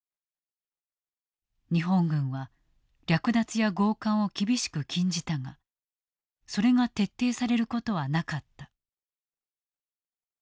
日本軍は略奪や強姦を厳しく禁じたがそれが徹底されることはなかった。